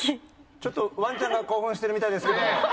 ちょっとワンちゃんが興奮してるみたいですけど。